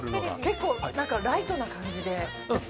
結構ライトな感じで。